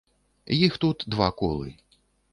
Іх тут два колы.